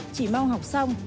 chỉ mong học xong